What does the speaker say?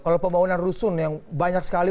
kalau pembangunan rusun yang banyak sekali